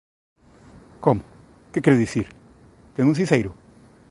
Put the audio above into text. Como…? Que quere dicir…? Ten un cinceiro?